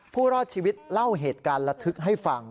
ผู้รอดชีวิตเล่าเหตุการณ์ระทึกให้ฟัง